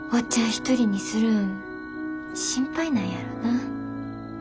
一人にするん心配なんやろな。